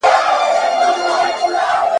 خپلو کروندو ته د اولاد په څېر ګوري.